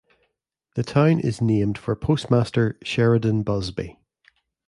The town is named for postmaster Sheridan Busby.